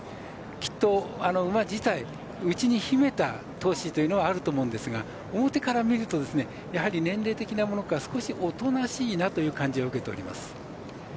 きっと馬自体、内に秘めた闘志というのはあると思うんですが表から見ると年齢的なものからか少しおとなしいなという感じを受けております。